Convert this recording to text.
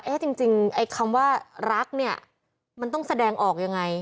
จริงไอ้คำว่ารักเนี่ยมันต้องแสดงออกยังไง